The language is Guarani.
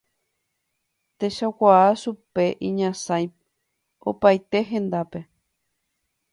Techakuaa chupe iñasãi opaite hendápe.